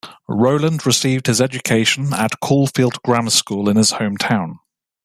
Rowland received his education at Caulfield Grammar School in his hometown.